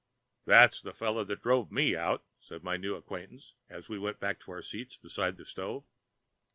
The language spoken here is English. "That's the fellow that drove me out," said my new acquaintance as we went back to our seats beside the stove.